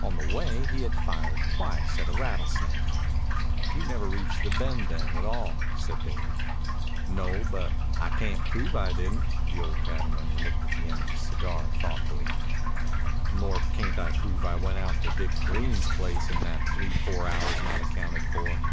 On the way he had fired twice at a rattlesnake. "You never reached the Bend, then, at all," said Dave. "No, but I cayn't prove I didn't." The old cattleman looked at the end of his cigar thoughtfully. "Nor I cayn't prove I went out to Dick Grein's place in that three four hours not accounted for."